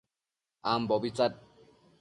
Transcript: ambobi tsad